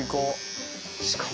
しかも。